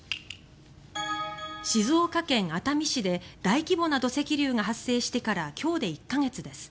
静岡県熱海市で大規模な土石流が発生してから今日で１か月です。